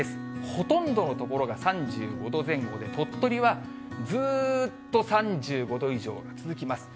ほとんどの所が３５度前後で、鳥取はずーっと３５度以上が続きます。